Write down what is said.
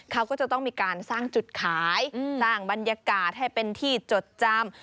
เขาก็จะต้องมีการสร้างจุดขายสร้างบรรยากาศให้เป็นที่จดจำ